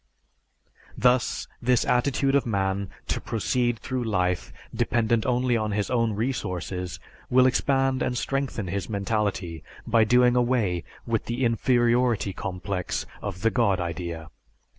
Thus this attitude of man to proceed through life dependent only on his own resources will expand and strengthen his mentality by doing away with the inferiority complex of the God idea.